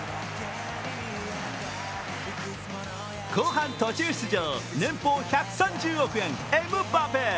後半途中出場、年俸１３０億円エムバペ。